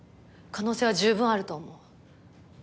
可能性は十分あると思う。